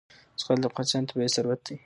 زغال د افغانستان طبعي ثروت دی.